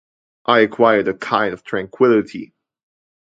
I acquired a kind of tranquillity.